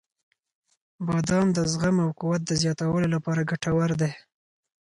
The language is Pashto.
• بادام د زغم او قوت د زیاتولو لپاره ګټور دی.